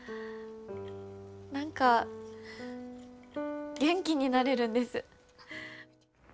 何か元気になれるんです。